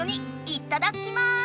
いただきます！